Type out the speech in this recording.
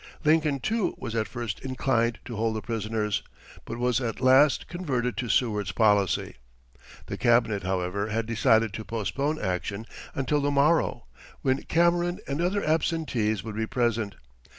Lincoln, too, was at first inclined to hold the prisoners, but was at last converted to Seward's policy. The Cabinet, however, had decided to postpone action until the morrow, when Cameron and other absentees would be present.